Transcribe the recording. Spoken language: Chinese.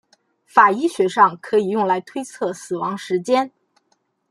法医学上可以用来推测死亡时间。